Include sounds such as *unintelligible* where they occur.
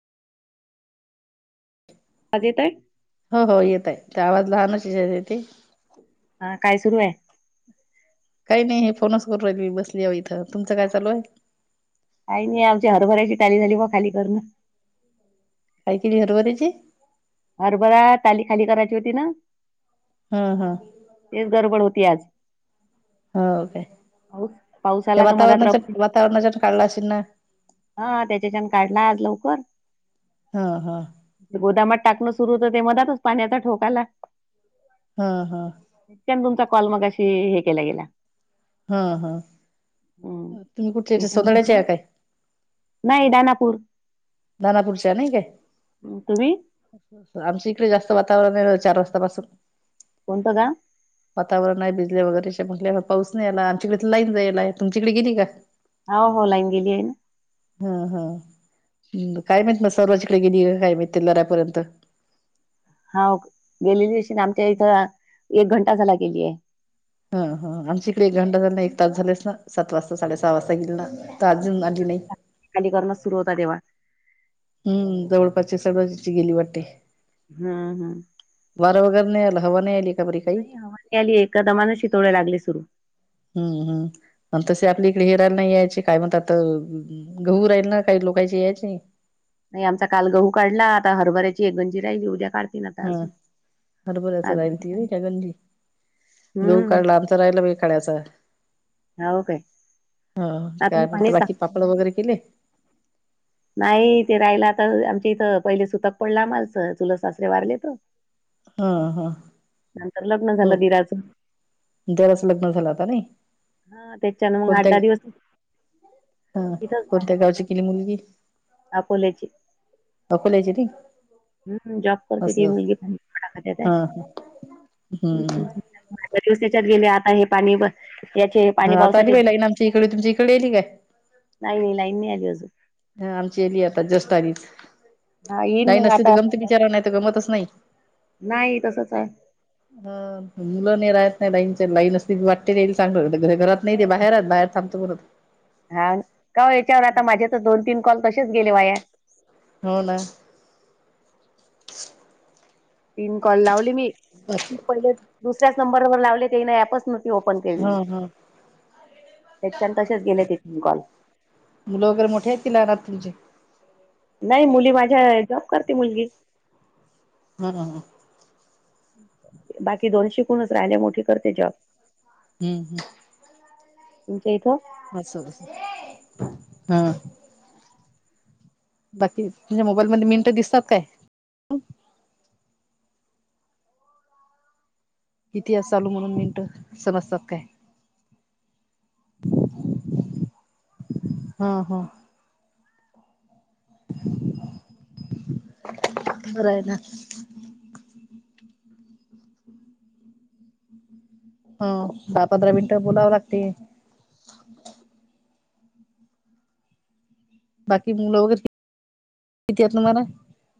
आवाज येतोय? हो हो येत आहे ते आवाज लहानच य येते. हा काय सुरू आहे? काही नाही हे फोनच करू राहिली मी बसली बघा इथं, तुमचं काय चालूय? काही नाही आमच्या हरभऱ्याची टाली झाली बा खाली करणं. काय केली हरभऱ्याची? हरभरा टाली खाली करायची होती ना? हा हा. तेच गडबड होती आज. हो काय? पाऊस पाऊस त्या आला तर मधात वातावरणाच्या रप वातावरणाच्या काढला असेल ना? हा त्याच्याच्यान काढला आज लवकर. हा हा. गोदामात टाकणं सुरु होतं ते मधातचं पाण्याचा ठोकायला. हा हा. ते, आण तुमचा कॉल मगाशी हे केला गेला. ह ह, हम्म तुम्ही कुठचे *unintelligible* काय? नाय दानापूर दानापूरच्या नाई काय? तुम्ही आमच्या इकडं जास्त वातावरणय, चार वाजतापासून कोणतं गा? वातावरणाय भिजले वगैरे *unintelligible* पाऊस नाय आला आमच्याकडे तर लाईन जायला आहे तुमच्याकडे गेली का? हौ हौ लाईन गेलीय. हम्म् हम्म हम काय माहित ना सर्व जिकडे गेलीय काय माहित ते *unintelligible* लरा्यापर्यंत हौ गेलेली दिशी, आमच्या इथं एक घंटा झाला गेलीय. ह ह आमच्या इकडे एक घंटा झालं एक तास झालेस ना सात वाजता साडे सहा वाजता गेल ना. का आजून आली नाई. *unintelligible* सुरु होता तेव्हा हम्म जवळपासचे सडक गेले वाटते. हा हा वारं वगैरे नइ आलं, हवा नइ आली. का बरी काही नाई, हवा नाइ आलीये, एका दमान शितोळे लागले सुरू. हम्म हम्म आण तसेही आपले इकडे रान नाईये ना ती काय म्हणतात ना गहू राहील ना काही लोकाचे यायचे. नई, आमचा काल गहू काढला, आता हरभऱ्याची एक गंजी राहिली, उद्या काढ. हम्, हरभऱ्याचं *unintelligible* गहू हम्म काढला आत करायला बी काढायचं. का ओ ताई? हो, काय म्हणंत? बाकी पापड वगैरे केले. नाई, ते राहिला तर आमच्या इथं पहिले सुतक पडलं आम्हाला, चुलत सासरे वारले तर. हा हा नंतर लग्न हो झालं दिराचं. जराच लग्न झालं आता नाही हा त्याच्यान मग अठ दहा दिवस. हम्म्, तिथंच कोणत्या राहणार गावची केली मुलगी? अकोल्याची अकोल्याची ती हम्, जॉब करते ती मुलगी पण *unintelligible* हा हम्म आता दिवसाच्या आत गेले, आता हे पाणी ब याचे पाणी हा आता आली पावसाचे बाई लाईन आमच्या इकडे तुमच्या इकडे येली काय? नाई, लाईन नई आली अजून हा आमची एली आता जस्ट आली. हा येईन ताई मग नसली तर गमते, बिचारा नाही तर गमतच नाही. नाई, तसंच आय. हम मुलं नाई राहत, नाई लाईनच्या. लाईन असते, वाटते येईल चांगलं. घरात नाही ते बाहेर राहतं. बाहेर थांबतो परत हा का हो, याच्यावर आता माझे तर दोन, तीन कॉल तसेच गेले वाया हो ना तीन कॉल लावले मी पहिल्याच, दुसऱ्याच नंबरवर लावले ते *unintelligible* ती ओपन हा केलेली, हा त्याच्या तसेच गेले तिथून कॉल मुलं वगैरे मोठेत की लहान आहेत तुमचे? नाई, मुली माझ्या जॉब करते मुलगी. ह ह ह बाकी दोन शिकूनच राहिले. मोठीे करते जॉब. हम्म हम्म तुमच्या इथ असच, हा बाकी, तूझ्या मोबाईलमध्ये मिनटं दिसतात काय? किती आहे चालू म्हणून मिनट समजतात काय? ह ह खर आहे ना. *inaudible* हा दहा, पंधरा मिनिट बोलाव लागतय. बाकी, मुल वगैरे किती आहेत तुम्हाला.